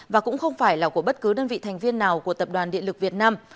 và cũng không phải là của bất cứ đơn vị thành viên nào của tập đoàn điện lực việt nam